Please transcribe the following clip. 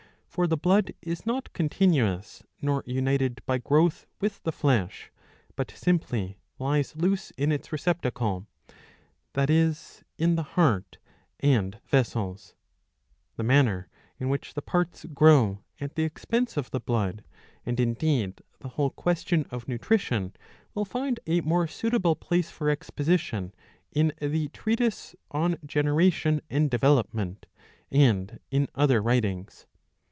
For the blood is not continuous nor united by growth with the flesh, but simply lies loose in its receptacle, that is in the heart and 650b. 30 ii. 3— ii. 4. vessels.^5 The manner in which the parts grow at the expense of the blood, and indeed the whole question of nutrition, will find a more suitable place for exposition in the treatise on generation and development, and in other writings.'